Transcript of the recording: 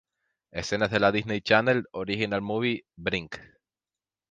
Escenas de la Disney Channel Original Movie "Brink!